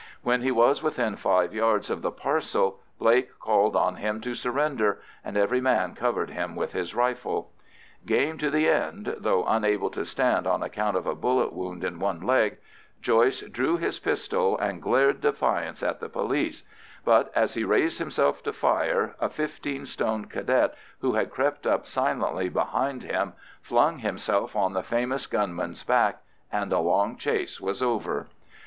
When he was within five yards of the parcel Blake called on him to surrender, and every man covered him with his rifle. Game to the end, though unable to stand on account of a bullet wound in one leg, Joyce drew his pistol and glared defiance at the police; but as he raised himself to fire, a fifteen stone Cadet, who had crept up silently behind him, flung himself on the famous gunman's back, and the long chase was over.